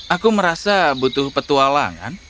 aku merasa butuh petualangan